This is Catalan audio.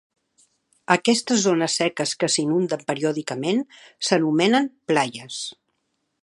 Aquestes zones seques que s'inunden periòdicament s'anomenen "playas".